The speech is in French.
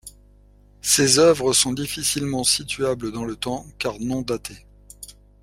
Ses œuvres sont difficilement situables dans le temps car non datées.